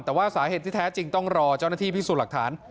แต่ว่าสาเหตุที่แท้จริงต้องรอเจ้าหน้าที่พิสูจน์หลักฐาน